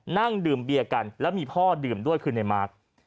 นั่งดื่มเบียร์กันแล้วมีพ่อดื่มด้วยคือในมาร์ค